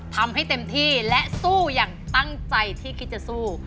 ทำให้เต็มที่และสู้อย่างตั้งใจที่คิดจะสู้